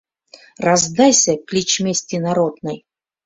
Раздайся, клич мести народной: